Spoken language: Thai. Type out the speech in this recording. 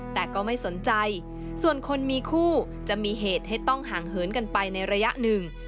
แต่ก็ไม่สนใจส่วนคนมีคู่จะมีเหตุให้ต้องห่างเหินกันไปในระยะหนึ่ง